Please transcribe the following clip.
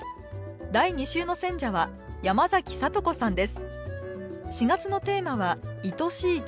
第２週の選者は山崎聡子さんです